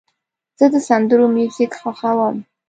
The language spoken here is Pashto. زه د سندرو میوزیک خوښوم.